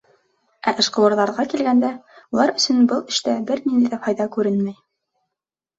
Ә эшҡыуарҙарға килгәндә, улар өсөн был эштә бер ниндәй ҙә файҙа күренмәй.